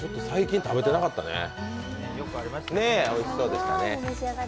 最近食べてなかったね。